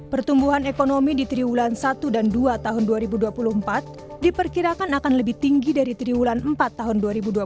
pertumbuhan ekonomi di triwulan satu dan dua tahun dua ribu dua puluh empat diperkirakan akan lebih tinggi dari triwulan empat tahun dua ribu dua puluh